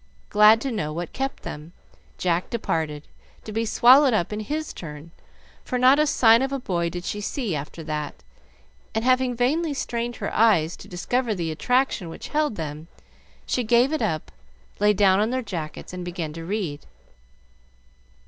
Glad to know what kept them, Jack departed, to be swallowed up in his turn, for not a sign of a boy did she see after that; and, having vainly strained her eyes to discover the attraction which held them, she gave it up, lay down on their jackets, and began to read.